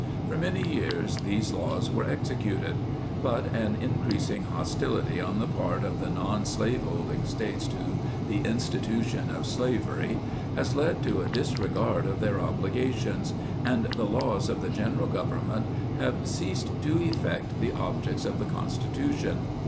For many years these laws were executed. But an increas ing hostility on the part of the non slaveholding States to the Institution of Slavery has led to a disregard of their obligations, and the laws of the General Government have 8 Ceased to effect the objects of the Constitution.